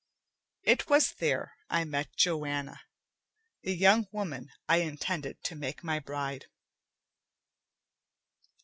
It was there I met Joanna, the young woman I intended to make my bride.